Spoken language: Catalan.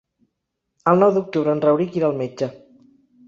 El nou d'octubre en Rauric irà al metge.